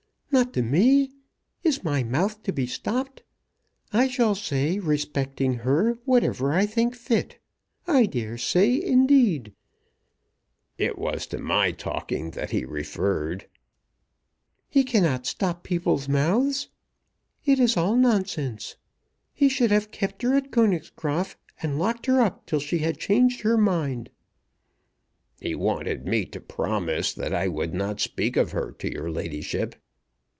"Not to me? Is my mouth to be stopped? I shall say respecting her whatever I think fit. I dare say, indeed!" "It was to my talking that he referred." "He cannot stop people's mouths. It is all nonsense. He should have kept her at Königsgraaf, and locked her up till she had changed her mind." "He wanted me to promise that I would not speak of her to your ladyship."